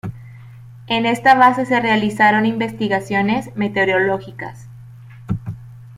En esta base se realizaron investigaciones meteorológicas.